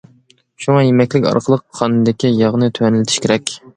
شۇڭا يېمەكلىك ئارقىلىق قاندىكى ياغنى تۆۋەنلىتىش كېرەك.